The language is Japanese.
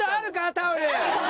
タオル。